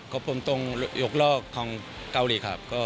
ผมตรงยกลอกของเกาหลีครับ